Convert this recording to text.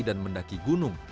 dan mendaki gunung